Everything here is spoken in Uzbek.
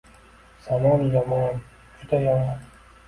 Zamon yomon, juda yomon...